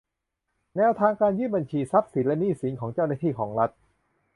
แนวทางการยื่นบัญชีทรัพย์สินและหนี้สินของเจ้าหน้าที่ของรัฐ